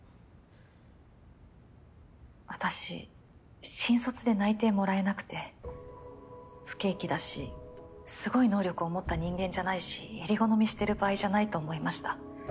私新卒で内定もらえなくて不景気だしすごい能力を持った人間じゃないしえり好みしてる場合じゃないと思いました。